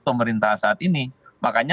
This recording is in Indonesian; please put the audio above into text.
pemerintah saat ini makanya